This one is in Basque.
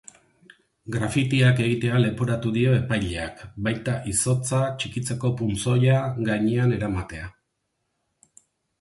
Grafitiak egitea leporatu dio epaileak, baita izotza txikitzeko puntzoia gainean eramatea.